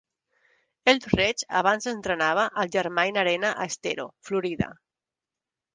Eldredge abans entrenava al Germain Arena a Estero, Florida.